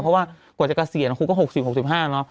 เพราะว่ากว่าจะเกษียณครูก็๖๐๖๕เนอะ